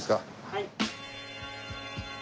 はい。